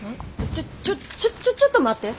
ちょちょちょちょっと待って。